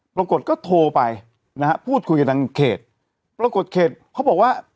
ปรากฏก็โทรไปนะฮะพูดคุยกับทางเขตปรากฏเขตเขาบอกว่า